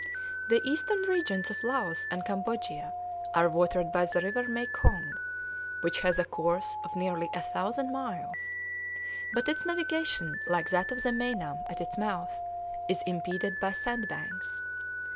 The eastern regions of Laos and Cambodia are watered by the river Meikhong, which has a course of nearly a thousand miles; but its navigation, like that of the Meinam at its mouth, is impeded by sand banks.